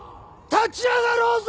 ・立ち上がろうぜ！